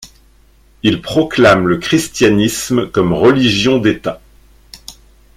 Il proclame le christianisme comme religion d’État.